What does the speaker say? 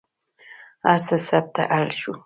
هر څه ثبت ته اړ شول.